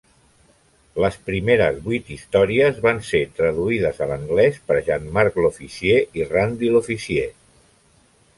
Les primeres vuit històries van ser traduïdes a l'anglès per Jean-Marc Lofficier i Randy Lofficier.